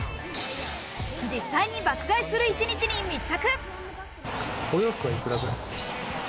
実際に爆買いする一日に密着。